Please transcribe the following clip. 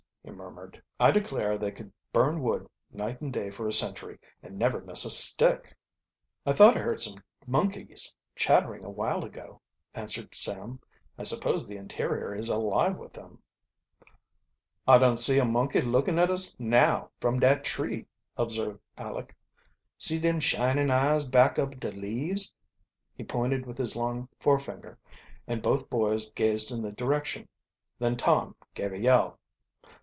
he murmured. "I declare they could burn wood night and day for a century and never miss a stick." "I thought I heard some monkeys chattering a while ago," answered Sam. "I suppose the interior is alive with them." "I dun see a monkey lookin' at us now, from dat tree," observed Aleck. "See dem shinin' eyes back ob de leaves?" He pointed with his long forefinger, and both, boys gazed in the direction. Then Tom gave a yell.